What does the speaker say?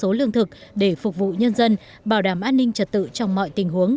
cơ số lượng thực để phục vụ nhân dân bảo đảm an ninh trật tự trong mọi tình huống